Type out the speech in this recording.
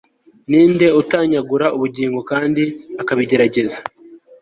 ninde utanyagura ubugingo kandi akabigerageza